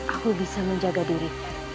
aku bisa menjaga diri